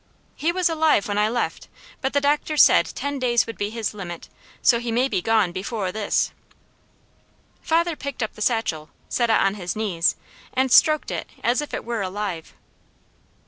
"He was alive when I left, but the doctors said ten days would be his limit, so he may be gone befowr this." Father picked up the satchel, set it on his knees, and stroked it as if it were alive.